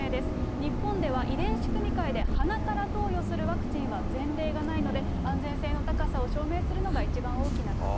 日本では遺伝子組み換えで鼻から投与するワクチンは前例がないので安全性の高さを証明するのが一番大きな課題。